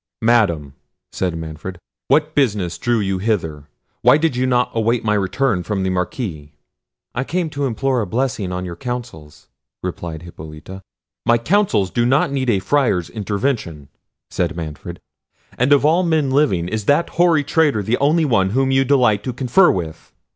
"Madam," said Manfred, "what business drew you hither? why did you not await my return from the Marquis?" "I came to implore a blessing on your councils," replied Hippolita. "My councils do not need a Friar's intervention," said Manfred; "and of all men living is that hoary traitor the only one whom you delight to confer with?"